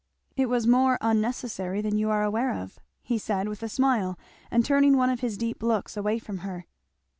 "It was more unnecessary than you are aware off," he said with a smile and turning one of his deep looks away from her.